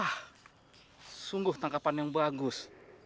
ah sungguh tangkapan yang bagus